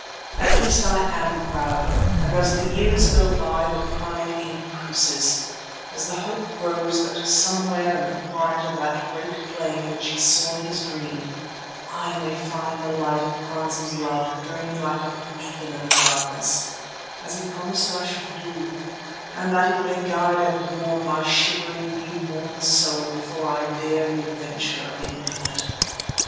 At least I am proud and as the years go by the pride increases, as the hope grows that somewhere in the quiet of that great plain which he saw in his dream, I may find the light of Hans's love burning like a beacon in the darkness, as he promised I should do, and that it may guide and warm my shivering, new born soul before I dare the adventure of the Infinite.